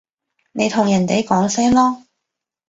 你同人哋講聲囉